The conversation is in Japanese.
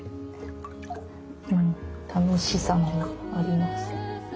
うん楽しさもあります。